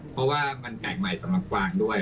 เพราะว่ามันแปลกใหม่สำหรับกวางด้วย